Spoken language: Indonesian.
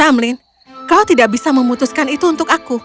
ramlin kau tidak bisa memutuskan itu untuk aku